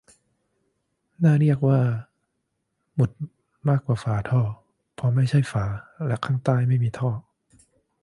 "น่าเรียกว่าหมุดมากกว่าฝาท่อ เพราะไม่ใช่ฝา และข้างใต้ไม่มีท่อ"